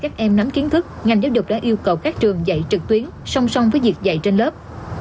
theo bản kiến thức ngành giáo dục đã yêu cầu các trường dạy trực tuyến song song với việc dạy trên lớp